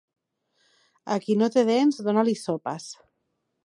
A qui no té dents, dona-li sopes.